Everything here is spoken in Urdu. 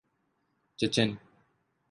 چیچن